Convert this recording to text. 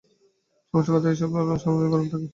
সমষ্টিগতভাবে এই সব অণুপরমাণু গরম থেকে শীতল অবশ্যই হবে।